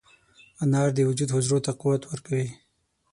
انار د وجود حجرو ته قوت ورکوي.